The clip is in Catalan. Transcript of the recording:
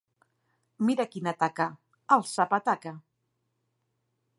Mira quina taca. —Alça, petaca!